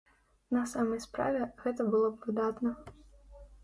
На самай справе, гэта было б выдатна.